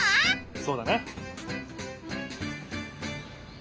そうだな！